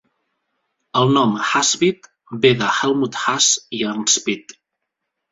El nom "Hasse-Witt" ve de Helmut Hasse i Ernst Witt.